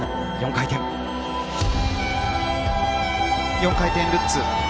４回転ルッツ。